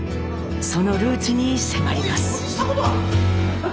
そのルーツに迫ります。